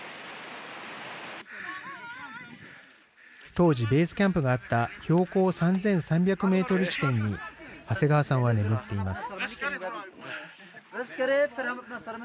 当時ベースキャンプがあった標高３３００メートル地点に長谷川さんは眠っています。